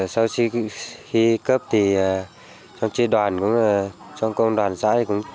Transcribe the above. sau khi cấp thì trong chế đoàn trong công đoàn xã cũng được